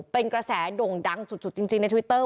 เป็นกระแสโด่งดังสุดจริงในทวิตเตอร์